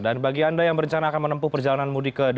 dan bagi anda yang berencana akan menempuh perjalanan mudik